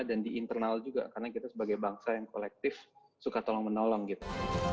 dan di internal juga karena kita sebagai bangsa yang kolektif suka tolong menolong gitu